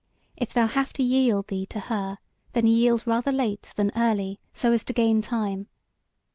If thou have to yield thee to her, then yield rather late than early, so as to gain time.